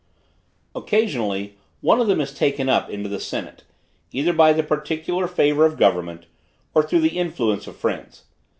Occasionally one of them is taken up into the senate, either by the particular favor of government, or through the influence of friends.